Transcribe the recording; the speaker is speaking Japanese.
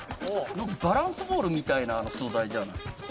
バランスボールみたいな素材じゃない？